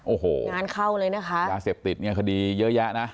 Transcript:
โอ้โหงานเข้าเลยนะคะยาเสพติดเนี่ยคดีเยอะแยะนะ